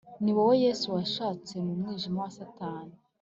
ni wowe, yesu, wanshatse mu mwijima wa satani